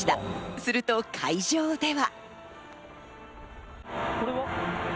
すると会場では。